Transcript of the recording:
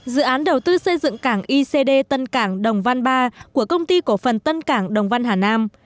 dự án đầu tư xây dựng cảng icd tân cảng đồng văn ba của công ty cổ phần tân cảng đồng văn hà nam